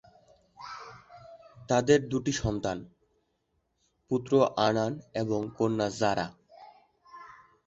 তাদের দুটি সন্তান, পুত্র আনান এবং কন্যা জারা।